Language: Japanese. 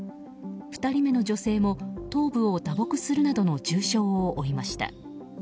２人目の女性も、頭部を打撲するなどの重傷を負いました。